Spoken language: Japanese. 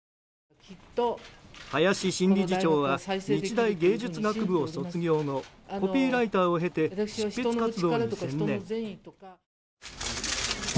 林新理事長は日大芸術学部を卒業後コピーライターを経て執筆活動に専念。